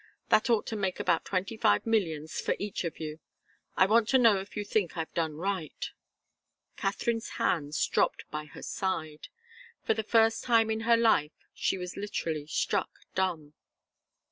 That ought to make about twenty five millions for each of you. I want to know if you think I've done right?" Katharine's hands dropped by her side. For the first time in her life she was literally struck dumb.